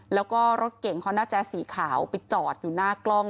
แล้วก็รถเก่งฮอนด้าแจ๊สสีขาวไปจอดอยู่หน้ากล้อง